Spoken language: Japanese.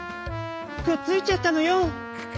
「くっついちゃったのよ！」。